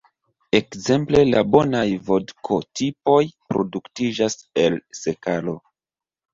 Ekzemple la bonaj vodko-tipoj produktiĝas el sekalo.